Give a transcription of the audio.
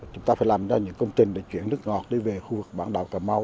chúng ta phải làm ra những công trình để chuyển nước ngọt đi về khu vực bản đảo cà mau